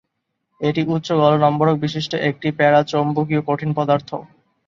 এটি উচ্চ গলনম্বরক বিশিষ্ট একটি প্যারাচৌম্বকীয় কঠিন পদার্থ।